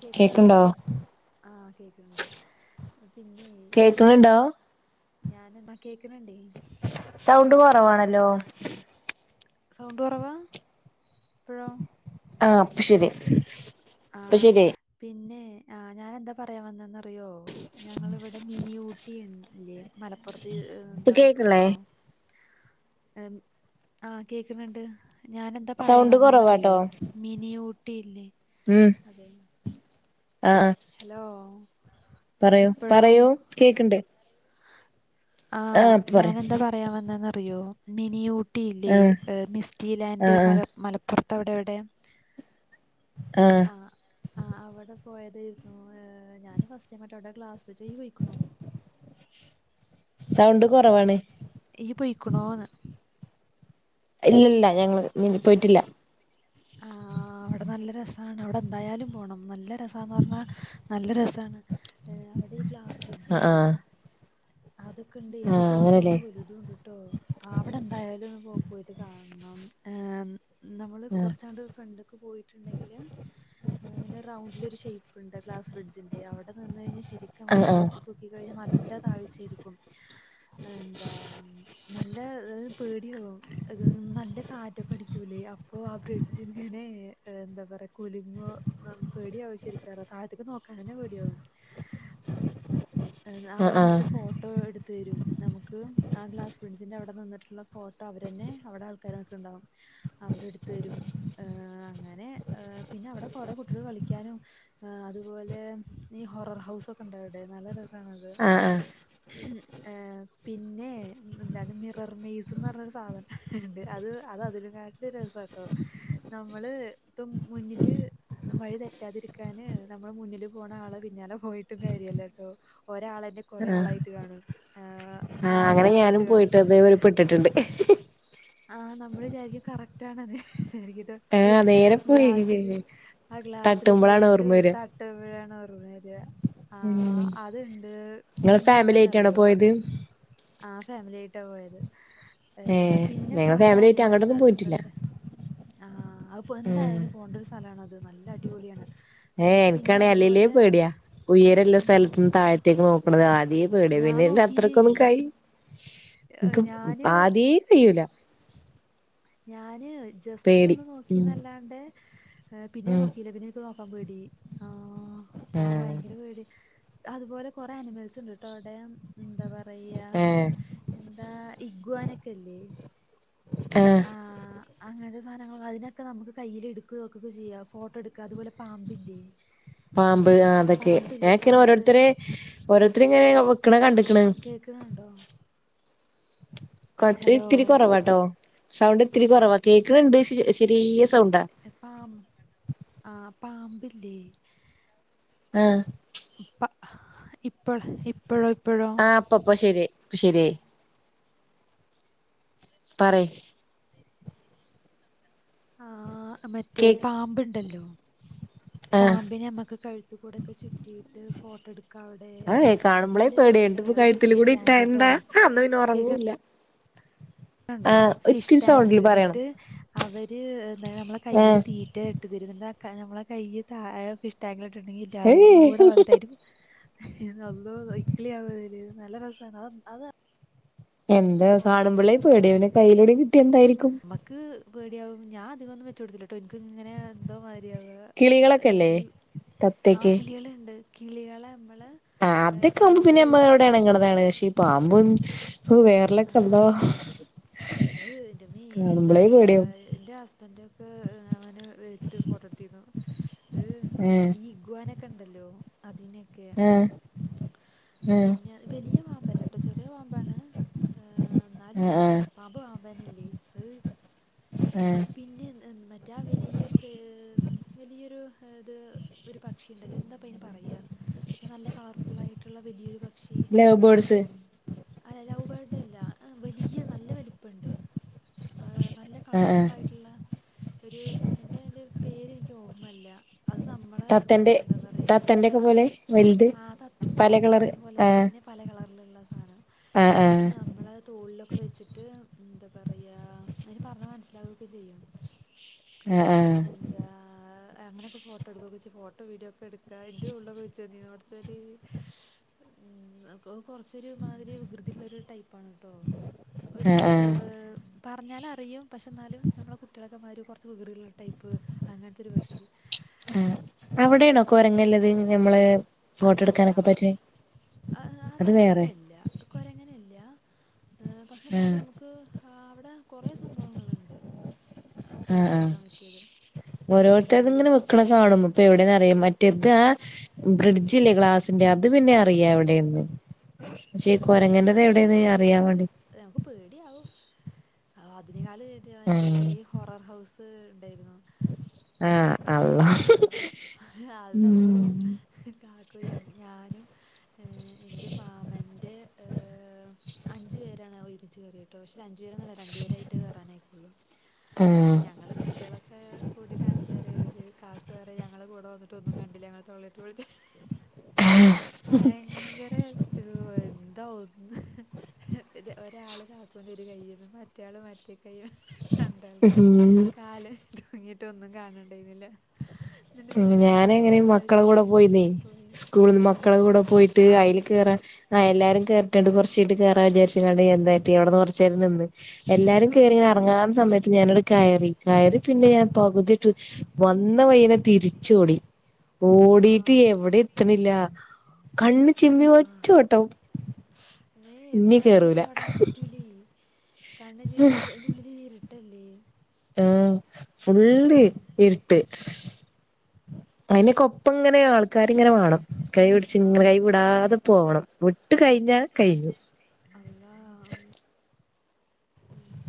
കേക്ക്ന്ന്ണ്ടോ കേക്ക്ണ്ടോ ആഹ് കേക്ക്ണ് ണ്ട് പിന്നെ കേക്ക്ണുണ്ടോ ഞാന് ന്ന കേക്കണ് ണ്ടേയ് സൗണ്ട് കൊറവാണല്ലോ സൗണ്ട് കൊറവാ പ്പഴോ ആഹ് അപ്പ ശെരി ആഹ് പിന്നെ ആഹ് ഞനെന്താ പറയാൻ വന്നന്ന് അറിയോ ഞങ്ങള്വ്ടെ മിനിയൂട്ടിൺല്ലേ മലപ്പോർത് ത്ത് ഇപ്പ എന്താ കേക്ക്ണില്ലേ പോയ്ക്ക്ണോ എൻ ആഹ് കേക്ക്ണ് ണ്ട് ഞാനെന്താ പറയാൻ സൗണ്ട് വന്നാന്ന് അറിയോ കൊറവാട്ടോ മിനി ഊട്ടിയില്ലേ ഉം അതെ ആഹ് ആഹ് ഹലോ പറയു പറയൂ ഇപ്പോഴോ കേക്ക്ണ്ട് ആഹ് ഇപ്പ പറയ് ഞാാനെന്താ പറയാൻ വന്നന്ന്റിയോ മിനിയൂട്ട് ട്ടിയില്ലേ ആഹ് ഹ് മിസ്റ്റി ലാൻഡ് ആഹ് ആഹ് മല മലപ്പോർത്ത് അവ്ടെ എവ്ടെയോ ആഹ് ആഹ് ആഹ് അവടെ പോയതെര്ന്നു ഹ് ഞാന് ഫസ്റ്റ് ടൈം ആയ്ട്ട് ഔടെ ഗ്ലാസ് ബ്രിഡ്ജ് ഇയ്യ് പോയ്ക്ക്ണോ സൗണ്ട് കൊറവാണ് ഇയ്യ് പോയിക്ക്ണോന്ന് ഇല്ല ഇല്ല ഞങ്ങള് മിൻ പോയ്റ്റില്ലാ ആഹ് അവ്ടെന്നല്ല രസാണ് ഔടെ എന്തായാലും പോണം ന്നല്ല രസാന്ന് പർഞ്ഞാ ന്നല്ല രസാണ് ഏഹ് അവടെ ഈ ഗ്ലാസ് ആഹ് ബ്രിഡ്ജ്ല്ലേ ആഹ് അതൊക്കെണ്ട് അതൊക്കെണ്ടെയ് അത്‌ ആഹ് ചെറുതുണ്ട് അങ്ങനെല്ലേ വലുത് തുണ്ട്ട്ടോ അവ്ടെ എന്തായാലൊന്ന് പൊ പോയിട്ട് കാണണം ഹെ ന്നമൾ ആഹ് കൊർച്ചങ്ങട്ട് ഫ്രണ്ട്ക്ക് പോയിട്ടുണ്ടെങ്കില് അങ്ങനെ റൗണ്ടിലൊരു ഷേയ്പ്പ്ണ്ട് ഗ്ലാസ്ബ്രിഡ്ജിന്റെ ഔടെ ന്നിന്ന് കഴിഞ്ഞാ ശെരിക്ക് നമ്മക്ക് ആഹ് ആഹ് താഴത്തിക്കോ ക്കി കഴിഞ്ഞ നല്ല താഴ്ച്ചേരിക്കും എന്താ നല്ല ഹ് പേടിയാവും അത് ന്നല്ല കാറ്റൊക്കടിക്കൂലേ അപ് ഓഹ് ആഹ് ബ്രിഡ്ജ് ഇങ്ങനെ എന്താ പറയാ കുല്ങ്ങോ ന്നം പേടിയാവും ശെരിക്ക് പർഞ്ഞ താഴത്ത്ക്ക് ന്നോക്കാനെന്നെ പേടിയാവും. എഹ് അവടെ ആഹ് ആഹ് ന്ന്ട്ട് ഫോട്ടോ എടു ത്തെരും നമുക്ക് ആഹ് ഗ്ലാസ് ബ്രിഡ്ജിന്റെ ഔടെ നിന്ന്ട്ടുള്ള ഫോട്ടോ അവരെന്നെ ഔടെ ആൾക്കാര് നിക്ക്ണ്ടാവും. അവര് ഇട്ത്തെരും ഏഹ് അങ്ങനെഏഹ് പിന്നെ ഔടെ കൊറെ കുട്ടികൾ കളിക്കാനും. ആഹ് അതുപോലെ ഈ ഹൊറർ ഹൗസ് ഒക്കെ ഇണ്ട്ഔടെ ന്നല്ല രസ മാണത് ആഹ് ആഹ് ആഹ് പിന്നെ ന്താണ് മിറർ മെയ്സ്ന്ന് പറഞ്ഞൊരു സാധനംണ്ട് അത് അത് അതിലുംകാ രസാട്ടോ നമ്മള് പ്പം മുന്നില് വഴി തെറ്റാതിരിക്കാന് നമ്മള് മുന്നില് പോണ ആളെ പിന്നാലെ പോയിട്ടും കാര്യല്ലാട്ടോ ഒരാളെന്നെ കൊറേ ആഹ് ആളായിട്ട് കാണും ആഹ് നാലഞ്ച് ആളായിട്ട് കാണും ട്ടിട്ടുണ്ട് ആഹ് നമ്മള് വിചാരിക്കും കറക്റ്റ് ആണത് ശെരിക്കിത് ആഹ് നേരെ പോയി ഗ്ലാസില് ആഹ് ഗ്ലാസില് തട്ടുമ്പളാണ് പോയിട്ട് ഓർമ്മ വരാ ത ട്ടുമ്പഴാണ് ഓർമ്മ വര്യാ ആഹ് ഉം അത്ണ്ട് നിങ്ങള് പിന്നെ ഫാമിലി ആയിട്ടാണോ ന്താന്നറിയോ പോയത് ആഹ് ഫാമിലി ആയിട്ടാ പോയത് എന്താ ഏഹ് ഞങ്ങള് ഫാമിലി ആയിട്ട് അങ്ങോട്ടൊന്നും പോയിട്ടില്ല ആഹ് അത് പ്പൊ ഉം എന്തായാലും പോണ്ടിയ ഒരു സ്ഥലാണത് അത് നല്ല അടിപൊളിയാണ് ഏഹ് പിന്നെ ഏഹ്എനിക്കാണേ അല്ലേലെ അതുപോലെ പേടിയാ ഉയരല്ല ഉം സ്ഥലത്ത്ന്ന് താഴത്തേക്ക് നോക്കണത് ആദ്യേ പേട്യ ഞാൻ പിന്നെ ഇരുന്ന് നോക്കിയില്ലേ അത്രക്കൊന്നും കയി ഏഹ് ഇക്ക് ഞാന് ആദ്യേ കയ്യൂല ഞാന് ജസ്റ്റ് പേടി ഒന്ന് നോക്കീ ഉം ന്നല്ലാണ്ട് പിന്നെ ഉം നോക്കിയില്ല പിന്നെ ക്ക് നോക്കാൻ പേടി ആഹ് ആ ആഹ് ഭയങ്കര പേടി അതുപോലെ കൊറെ അനിമൽസ് ഉണ്ട്ട്ടോ അവിടെ എന്താ പറയാ ഏ എന്താ ഇഗ്വാനൊക്കല്ലേ ആഹ് ആഹ് അങ്ങനത്തെ സാധനങ്ങൾ അതിനെക്കെ നമുക്ക് കയ്യിൽ എടുക്കോ വെക്കോക്കെ ചെയ്യാ ഫോട്ടോ എടുക്ക അതുപോലെ പാമ്പില്ലേ [unintelligible] പാമ്പ് ആഹ് അതൊക്കെ [inaudible] പാമ്പില്ലേ ഞാക്കെ പാമ്പ് ഓരോരുത്തരെ ഓരോരുത്തര് ഇങ്ങനെ നമു പാമ കേക്കണണ്ടോ കൊ ഹലോ ഇത്തിരി കൊറവാട്ടോ സൗണ്ട് ഇത്തിരി കൊറവാ കേക്കണണ്ട് ശെരീയ പാം ആഹ് പാമ്പില്ലേ ആഹ് പ്പ ആഹ് ഇപ്പൊഴ് ഇപ്പൊഴോ ഇപ്പൊ ഴോ ഇപ്പൊ ശരിയായി ഇപ്പൊ ശരിആയി പറയ് ആഹ് മറ്റേ കേക്ക് പാമ്പ്ണ്ടല്ലോ ആഹ് പാമ്പിനെ നമ്മക്ക് കഴ് ത്ത് കൂടേക്കെ ചുറ്റിയിട്ട് ഫോട്ടോ എടുക്കാ വിടെ അഹ് കാണുമ്പളേ അതുപോലെ പേടിയായിട്ട് എന്താ ഇപ്പ ഒരു കഴുത്തിൽ ഫിഷ് കൂടി ഇട്ടാ ടാങ്ക് ട്ടോ എന്താ അന്ന് പിന്നെ കേക്ക ഉറങ്ങൂല്ല ണ്ടോ ആഹ് ഫിഷ് ഇത്തിരി ടാങ്ക് സൗണ്ടില് പറയണം എന്നിട്ട് അവര് നമ്മളെ കൈയ്യില് തീറ്റ ഇട്ട് തെരും ന്ന്ട്ടാ ക നമ്മളെ കയ്യ് താ ഫിഷ് ടാങ്കിലിട്ട്ണ്ടെങ്കി എല്ലാതും കൂടെ ഏഹ് വന്ന്ട്ട് അയ്ന്റെ അള്ളോ ഇക്ക്ളി ആവ ഒര് നല്ല രസാണ് അ അത എന്താ കാണുമ്പളേ പേടിയാണ് കയ്യിലൂടെ കിട്ട്യാ എന്തായിരിക്കും ക്ക് പേടിയാവും ഞാൻ അധികൊന്നും വെച്ചൊട്ത്തിലട്ടോ ഇൻക്ക്ങ്ങനെ എന്തോ മാതിരിയാവ കിളികളൊക്കെല്ലേ ഏതീ ആ തത്തയൊക്കെ കിളിയാള്ണ്ട് കിളിയാളെ നമ്മളെ ആ അതൊക്കാവുമ്പോ പിന്നെ ഞമ്മളോടെണങ്ണതാണ് പക്ഷെ ഈ പാമ്പും വേ ആഹ് അത് ൻ്റമ്മേ എന്താ കാണുമ്പളേ പറയാ പേടിയാവും ൻ്റെ ഹസ്ബന്റൊക്കെ അവനെ വിളിച്ചിട്ട് ഫോട്ടോട്ത്തിരുന്നു ഏഹ് ഈ ഇഗ്വാനൊക്കെണ്ടല്ലോ അതിനെ ക്കെ ആഹ് ആഹ് പിന്നെ വലിയ പാമ്പല്ലട്ടോ ചെറിയ പാമ്പാണ് ഏ ന്നാലും ആഹ് ആഹ് പാമ്പ് പാമ്പന്നല്ലേ അത് ആഹ് പിന്നെ [unintelligible] റ്റാ വലിയൊരു സ് വലിയൊരു ഇത് ഒരു പക്ഷിണ്ടല്ലോ എന്താപ്പയ്ന് പറയാ ഒരു നല്ല കളർഫുള്ളായിട്ടുള്ള വലിയൊരു പ ലൗ ബേഡ്സ് അല്ല ലൗ ബേഡല്ല വലിയ നല്ല വെല് പ്പണ്ട് നല്ല ആഹ് ആഹ് കളർഫുള്ളായിട്ട്ള്ളെ ഒരു എന്താ അയ്ന്റൊരു പേരെനിക്ക് ഓർമ്മല്ല അത് നമ്മളെ തത്തന്റെ എന്താ പറയ തത്തന്റെ ഒക്കെ ആ പോലെ വലുത് ആ തത് പല കളറ് തത്തനെ ആഹ് പോലെത്തെന്നെ പല കളർല്ള്ളാ സാനം ആഹ് അത് ആഹ് ന നമ്മളെ തോൾലൊക്കെ വെച്ച്ട്ട് എന്താ പറയ അയ്ന് പർഞ്ഞാ മൻസ്സിലാവൊക്കെ ചെയ്യും ആഹ് ആഹ് എന്താ അങ്ങനെയൊക്കെ ഫോട്ടോ ഇട്ക്കൊക്കെ ചെയ്യും ഫോട്ടോ വീഡിയോ ഒക്കെട്ക്ക എൻ്റെ തോളിൽ വെച്ച് തന്നീന്നു പടച്ചോനെ ഉം അ അത് കൊർച്ചൊര് മാതിരി വികൃതിയുള്ളൊരു ടൈപ്പാണ് ട്ടോ ഒരു ആഹ് ഏ ആഹ് പറഞ്ഞാല് അറിയും പക്ഷേ ന്നാലും നമ്മളെ കുട്ട്യാളൊക്കെ മാരും കൊർച്ച് വികൃതിയുള്ളൊരു ടൈപ്പ് അങ്ങൻത്തൊര് പക്ഷി ആ അവടെണോ കൊരങ്ല്ലത് ഞമ്മളെ അല്ല ആ അത് അവടല്ല കൊരങ്ങനല്ല എ പക്ഷേ ന്നാലും ആഹ് ഞമ്മക്ക് ആ അവടെ കൊറേ സംഭവങ്ങള്ണ്ട് ആഹ് ഫോട്ടോ ആഹ് ട്ക്കാൻ പറ്റ്യേത് ക്കളെ കാണുമ്പോ പ്പൊ എവടെന്ന് അറിയാൻ മറ്റെ താ ബ്രിഡ്ജില്ലേ ഗ്ലാസിന്റെ അത് പിന്നെ അറിയാ എവടെന്ന് പക്ഷേ കൊരങ്ങന്റത് എവടെന്ന് അറിയാൻ വാണ്ടി നമ്മക്ക് പേടിയാവും അ അതിനേകാള് [unintelligible] മറ്റേ ആഹ് ഹൊറർ ഹൗസ് ണ്ടേര്ന്നു ആ അള്ളാ അള്ളോ ഉം കാക്കും ഞാനും ഏ എൻ്റെ മാമൻ്റെ ഏ അഞ്ച് പേരാണ് ഒരുമിച്ച് കേറിയത് [unintelligible] അഞ്ച് പേരൊന്നല്ല രണ്ടുപേരായിട്ട് കേറാനായക്കുള്ളൂ ആഹ് ഞങ്ങള് കുട് ട്ട്യാളൊക്കെ കൂട്ടീട്ട് അഞ്ചുപേര കേറ്യേത് കാക്കു പറയ ഞങ്ങളെ കൂടെ വന്നിട്ടൊന്നും കണ്ടില ഞങ്ങളെ തൊള്ള ഭയങ്കര ഇത് ഒന്ന് ഒരാള് കാക്കൂന്റെ ഒരു കയ്യിലും മറ്റ് റ്റാള് മറ്റേ കയ്യിലും രണ്ട് ആൾക്കാര് ഉം കാല് തൂങ്ങിട്ടൊന്നും കാണ് ണ്ടേര്ന്നില്ല [inaudible] ഞാന എങ്ങനെ മക്കള കൂടെ പോയിന്നേ പോയി സ്കൂളിൽന്ന് ആ മക്കള കൂടെ പോയിട്ട് ആ അയിൽ കേയറാൻ ആഹ എല്ലാരും കേറട്ടെങ്ങട്ട് കൊറച്ച് കൈച്ചീട്ട് കേറാ വിചാരിച്ചുങ്ങണ്ട് എന്താട്ടി അവിടെ കുറചേരം നിന്ന് എല്ലാരും ആ കയറിങ്ങനെ ഇറങ്ങാ സമയത്ത് ഞാനങ്ങട് കയറി കയറി പിന്നെ ഞാൻ പകുതി വന്ന വയനെ തിരിചോടി ആ ഒടിട്ട് എവിടെ എത്തണില്ല കണ്ണ് ചിമ്മി ഒറ്റ ഓട്ടം മീ ഇത് ഇനി കണ്ണ് കേറൂല ചിമ്മി ഓടാനും പറ്റൂലേ കണ്ണ് ചിമിയോടിയ അതിന്റെ ഉള്ളിൽ ഇരുട്ടല്ലേ ആഹ് ആ ഫുള്ള് ഇരുട്ട് അയിന് കൊപ്പം ഇങ്ങനെ ആൾ ആക്കരിങ്ങനെ വേണം കൈ പിടിച്ച് ആ കൈ വിടാതെ പോകണം വിട്ട് ഏ, കഴിഞ്ഞാ കഴിഞ്ഞു അള്ളാ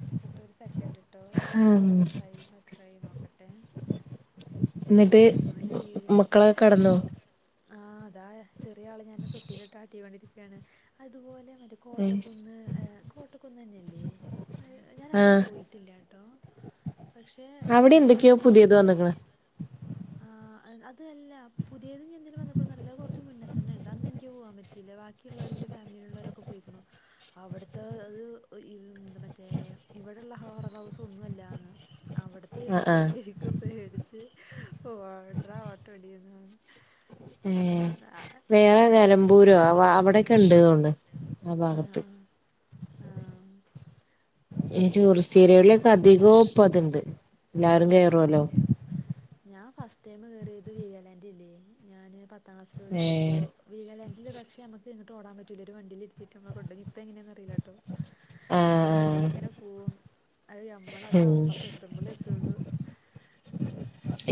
നിക്ക്ട്ടോ ഒരു സക്കണ്ട് ട്ടോ ആഹ് ടൈം എത്രായി നോക്കട്ടെ എന്നിട്ട് ആ ഏഴ് മിനിറ്റ് മക്കളെക്കെ കെടന്നോ ആ താ ചെറിയ ആള് ഞാൻ തൊട്ടിലിട്ട് ആട്ടികോണ്ടിരികാണ് അതുപോലെ മറ്റ കോട്ടക്കുന്ന് കോട്ടക്കുന്നന്നെല്ലേ ഞാനവിടെ ആഹ് പോയിട്ടില്ല ട്ടോ പക്ഷേ അവിടെ എൻ്റെ എന്തൊക്കെയോ പുതിയത് വന്ന്ക്ക്ണ് ആ അതല്ല പുതിയത് ഞ്ഞി എന്തിന് വന്നകണ് എന്ന് അറിയില്ല കുറച്ച് മുന്നേ തന്നെ ഉണ്ട് അന്ന് എനിക്ക് പോവാൻ പറ്റയില്ല ബാക്കിയുള്ളവറ് എൻ്റെ ഫാമിലിയിലോരക്കെ പോയിക്കണു അവിടുത്തെ അത് മറ്റേ ഇവിടെള്ള ഹോറൽ ഹൗസ് ഒന്നുല്ലന്ന് അവിടത്തെ ആഹ് യൊരുന്നുത്ര ആഹ് ശരിക്കു പേടിച്ച് ഓ ഓട്ര ഓട്ട ഓടിയത് ഏഹ് വേറെ നിലമ്പൂരോ അവ അവിടെക്കെ ഉണ്ട്തുകൊണ്ട് ആ ഭാഗത്ത് ആ ആ ഈ ടൂറിസ്റ്റ് ഏരിയകളൊക്കെ അധികം ഇപ്പോ അത്ണ്ട് എല്ലാരും കേറുവല്ലോ ആഹ് ഞാൻ ഫസ്റ്റ് ടൈം കയറിയത് വീഗാലാൻഡില്ലേ ഞാന് പത്താം ക്ലാസ്സ് പഠിക്കുമ്പോ ഏഹ് വികലാന്റിൽ പക്ഷെ നമക്ക് എങ്ങട്ടും ഓടാൻ പറ്റൂല്ല ഒരു വണ്ടിയിൽ ഇരുത്തിട്ട് നമ്മളെ കൊടകി ഇപ്പൊ എങ്ങനെയെന്ന്റിയില്ലട്ടോ ഒരു വണ്ടിൽ ആഹ് ഇങ്ങനെ പോകും അത് നമ്മളത് ആഹ് ഉം അപ്പറത്ത് എത്തുമ്പളേ എത്തുള്ളു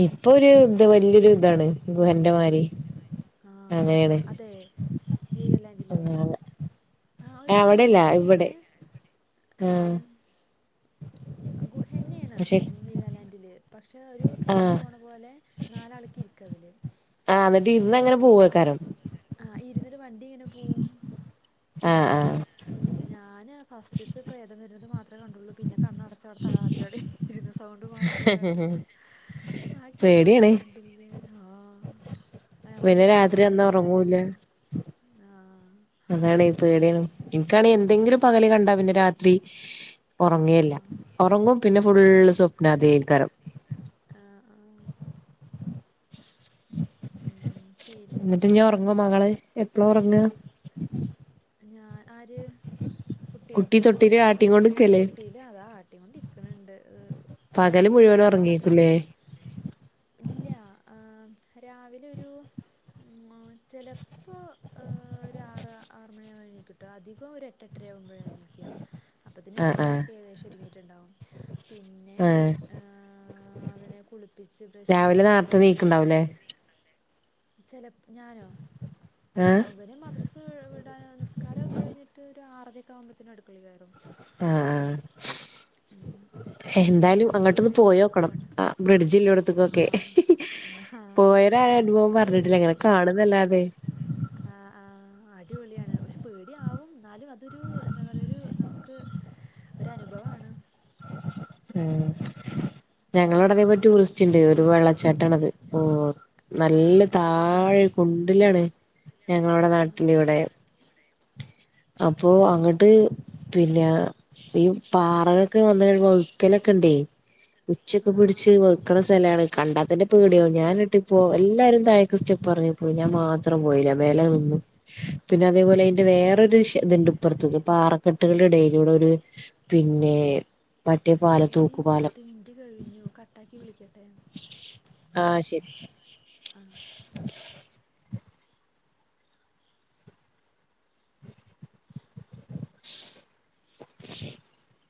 ഇപ്പൊ ഒരു ഇത് വലിയൊരു ഇതാണ് ഗുഹൻ്റെ മാതിരി ആ ആ അതെ വീകാലാന്റിലോ ആഹ് ഒരു അവിടെല്ല ഇവിടെ ഗുഹന്നെയാണ് എവിടെ ആഹ് ഗുഹന്നെയാണ് പക്ഷെ വിഗാലാന്റില് പക്ഷെ ഒരു ട്രെയിൻ ആഹ് പോണ പോലെ നാലാൾക്ക് ഇരിക്കതില് ആഹ് എന്നിട്ട് ഇരുന്ന് അങ്ങനെ പോവേക്കാരം ആ ഇരുന്നിട്ട് വണ്ടി ഇങ്ങനെ പോവും ആ ആ ഞാന് ഫസ്റ്റത്ത് പ്രേതം വരുന്നത് മാത്രേ കണ്ടുള്ളു പിന്നെ കണ്ണടച്ച് അവിടെ തല താഴ്ത്തിയവിടെ ഇരുന്ന് സൗണ്ട് മാത്രേ കേട്ടെ ആഹ് ബാക്കിയുള്ളൊന്നും ഞാൻ പേടിയാണ് കണ്ടില്ല ഹാ ആ ഞമ്മള് പിന്നെ കുട്ടിയാളെ രാത്രി മാത്രം അന്ന് വെച്ചിട്ട് എങ്ങനെ ഉറങ്ങൂല്ല പോവാ ആഹ് അതാണ് പേടിയാണ് ഇനിക്കാണെങ്കി എന്തെങ്കിലും ഉം പകല് കണ്ട പിന്നെ രാത്രി ത്രി ആഹ് ഉറങ്ങിയി ല്ല ഉറങ്ങും പിന്നെ ഫുള് ആഹ് സ്വപനം അതയിക്കാരം ആ ആ ഉം ന്നട്ട് ഇഞ് പിന്നെ ഉറങ്ങോ മകള് എപ്പള ഉറങ്ങ ഞാനാ ആര് കുട്ടിയോ കുട്ടി തൊട്ടില് ആട്ടിങ്ങോണ്ട്ക്കല്ലേ തൊട്ടില് അതാ ആട്ടി കൊണ്ട് ഇരിക്ക്ണണ്ട് പകല് മുഴുവനും ഉറങ്ങിക്കുംലെ ഇല്ല ഏഹ് രാവിലെ ഒരു മാ ചിലപ്പോ ഒരാറാ ആറ് മണിയാകുമ്പോണീകൂട്ടോ അധികം ഒരുഎട്ട് എട്ടരയാവുമ്പോഴാണീക്ക അപ്പത്തിന്നന് എന്റെ ആഹ് ആഹ് പണിയൊക്കെ ഏകദേശം ഒതുങ്ങിയിട്ടുണ്ടാവും പിന്നെ ആഹ് ഏഹ് അവനെ കുളിപ്പിച്ച് ബ്രഷ് രാവിലെ ചെയ്യിപ്പിച്ച് നേരത്തെ കുളിപ്പിച്ച് നീക്ക്ണ്ടാവുംല്ലേ നിർത്തി ചെലപ്പോ ഞാനോ ആഹ് അവന് മദ്രസ് ഏഹ് നമസ്കാരം കഴിഞ്ഞിട്ട് ഒരു ആറരൊക്കെ ആവുബോത്തിന് അടുപ്പത്ത് [unintelligible] ആഹ് ആഹ് ഉം എന്തായാലും കുട്ടിക്ക് അങ്ങോട്ടോന്ന് സ്കൂ മദ്രസ്ക്ക് പോയോക്കണം പോകണ്ട ആ ബ്രിഡ്ജില്ലോട്ത്ത്ക്കൊക്കെ ആ പോയര് ആരും അനുഭവം പറഞ്ഞിട്ടില്ല ഇങ്ങനെ കാണുന്നല്ലാതെ ആഹ് ആഹ് അഹ് ഒരു വിളിയാണ് പക്ഷെ പേടിയ ആവും എന്നാലും അതൊരു എന്താ പറയാ ഒരു നമുക്ക് ഒരു അനുഭവാണ് ഉം ഞങ്ങളെ അവിടെ ഉം ഇതേമാരി ടൂറിസ്റ്റ് ഉണ്ട് ഒരു വെള്ളച്ചാട്ടാണത് ഓ ആ ആ നല്ല എവിടെയാണ് താഴെ കുണ്ടിലാണ് ഞങ്ങളവിടെ ആ നാട്ടിൽ ഇവിടെ ആ അപ്പോ അങ്ങട്ട് പിന്നെ ഈ പാറ വയ്ക്കലൊക്കെ ഇൻടെയ് [unintelligible] ഉച്ചൊക്കെ പിടിച്ച് വയ്ക്കണ സ്ഥലാണ് കണ്ടാത്തന്നേ പേടിയാവും ഞാന് ന്നട്ട് പോ എല്ലാരും താഴേക്കു സ്റ്റെപ്പ് ഇറങ്ങി പോയി ഞാൻ മാത്രം പോയില്ല മേലെ നിന്നു പിന്നെ അതേപോലെ അതിന്റെ വേറരു ഇതുണ്ട് ഇപ്പറത്ത് പാറക്കെട്ടുകളുടെ ഇടയിലൂടെ ഒരു പിന്നേ ഒരു മറ്റെ പാലം തൂക്കുപാലം നൊ കട്ടാക്കി വിളിക്കട്ടെ ആഹ് ശരി ആഹ് [inaudible]